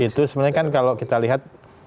itu sebenarnya kan kalau kita lihat